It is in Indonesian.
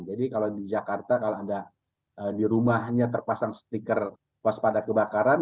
jadi kalau di jakarta kalau ada di rumahnya terpasang stiker waspada kebakaran